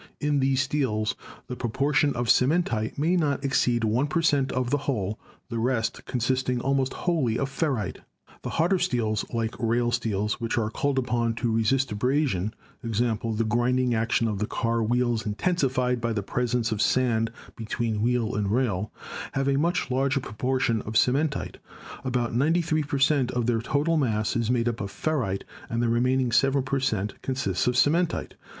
In these steels the proportion of cementite may not exceed 1 per cent, of the whole, the rest consisting almost wholly of ferrite. The harder steels like rail steels, which are called upon to resist abrasion — e.g., the grinding action of the car wheels intensified by the presence of sand between wheel and rail — have a much larger proportion of cementite. About 93 per cent, of their total mass is made up of ferrite and the remaining 7 per cent, consists of cementite.